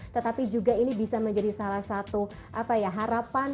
tetapi juga ini bisa menjadi salah satu harapan